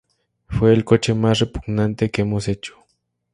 Fue el coche más repugnante que hemos hecho".